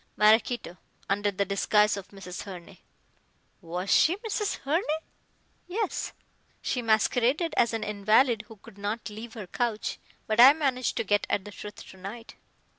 "Maraquito, under the disguise of Mrs. Herne." "Was she Mrs. Herne?" "Yes. She masqueraded as an invalid who could not leave her couch, but I managed to get at the truth to night."